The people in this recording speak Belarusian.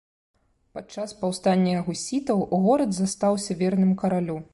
Падчас паўстання гусітаў горад застаўся верным каралю.